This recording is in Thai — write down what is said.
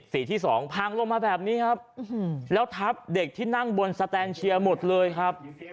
สีที่สองพังลงมาแบบนี้ครับแล้วทับเด็กที่นั่งบนสแตนเชียร์หมดเลยครับ